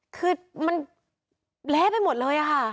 คือมันเละไปหมดเลยค่ะ